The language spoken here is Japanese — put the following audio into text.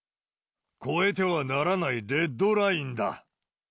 越えてはならないレッドラインだ。